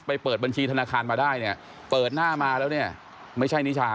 ไปเปิดบัญชีธนาคารมาได้เปิดหน้ามาแล้วไม่ใช่นิชานะ